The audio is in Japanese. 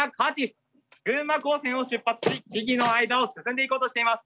群馬高専を出発し木々の間を進んでいこうとしています。